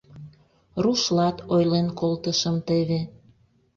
Рушлат ойлен колтышым теве.